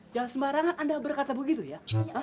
jangan sembarangan anda berkata begitu ya